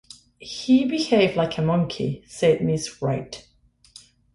"He behaved like a monkey," said Miss Wright.